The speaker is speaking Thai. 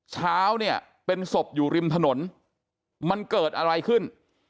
เช้าเนี่ยเป็นศพอยู่ริมถนนมันเกิดอะไรขึ้น